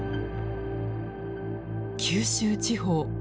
九州地方。